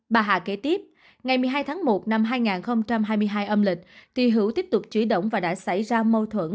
bà hà kế tiếp ngày một mươi hai tháng một năm hai nghìn hai mươi hai âm lịch thì hữu tiếp tục chỉ động và đã xảy ra mâu thuẫn